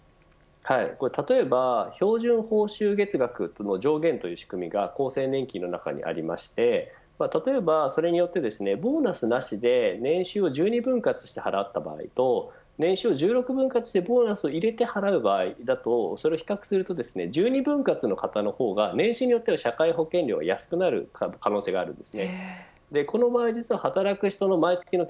例えば標準報酬月額上限という仕組みが厚生年金の中にありまして例えばそれによってボーナスなしで年収を１２分割して払った場合と年収を１６分割してボーナスを入れて払う場合と比較すると１２分割の方のほうが年収によっては社会保険料が安くなる可能性があります。